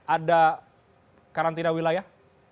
ada karantina wilayah